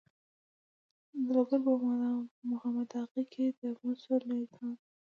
د لوګر په محمد اغه کې د مسو لوی کان دی.